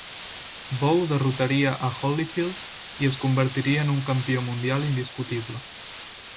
Bowe derrotaria a Holyfield i es convertiria en un campió mundial indiscutible.